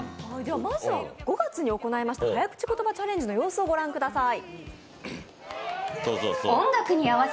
まずは５月に行いました早口言葉チャレンジの様子をご覧ください。